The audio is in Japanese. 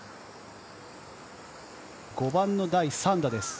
５番の第３打です。